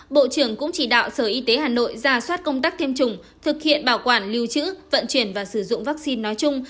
bộ trưởng cũng chỉ đạo sở y tế hà nội ra soát công tác tiêm chủng thực hiện bảo quản lưu trữ vận chuyển và sử dụng vaccine nói chung